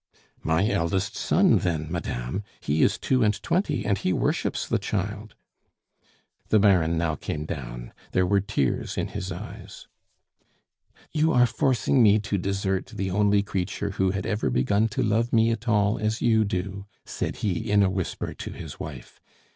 "My eldest son, then madame! He is two and twenty, and he worships the child." The Baron now came down; there were tears in his eyes. "You are forcing me to desert the only creature who had ever begun to love me at all as you do!" said he in a whisper to his wife.